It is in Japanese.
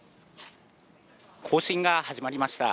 行進が始まりました。